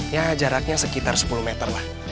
ya jaraknya sekitar sepuluh meter lah